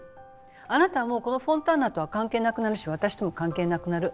あなたはもうこのフォンターナとは関係なくなるし私とも関係なくなる。